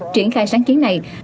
triển khai sáng chiến này